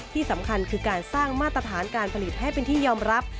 ที่สำคัญคือการสร้างมาตรฐานการผลิตให้เป็นที่ยอมรับ